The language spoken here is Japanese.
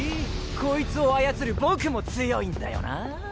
こいつをあやつるボクも強いんだよな！